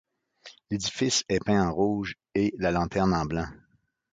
L'édifice est peint en rouge et la lanterne en blanc.